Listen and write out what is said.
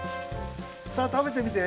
さあたべてみて。